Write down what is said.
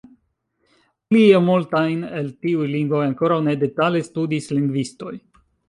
Plie, multajn el tiuj lingvoj ankoraŭ ne detale studis lingvistoj.